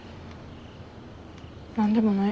何でもない。